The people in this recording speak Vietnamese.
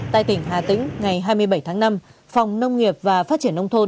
tại tỉnh hà tĩnh ngày hai mươi bảy tháng năm phòng nông nghiệp và phát triển nông thôn